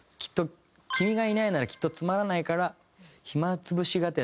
「君がいないならきっとつまらないから暇つぶしがてら